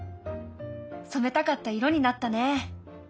そめたかった色になったね。